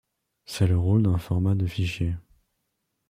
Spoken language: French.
C'est le rôle d'un format de fichier.